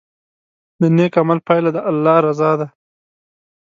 د نیک عمل پایله د الله رضا ده.